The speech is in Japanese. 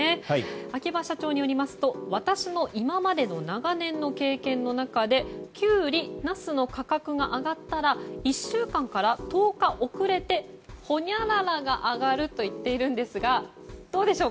秋葉社長によりますと私の今までの長年の経験の中でキュウリナスの価格が上がったら１週間から１０日遅れてほにゃららが上がると言っているんですがどうでしょう